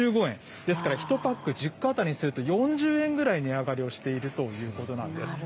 ですから、１パック１０個当たりにすると４０円ぐらい値上がりをしているということなんです。